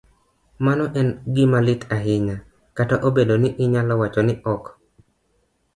mano en gima lit ahinya, kata obedo ni inyalo wach ni ok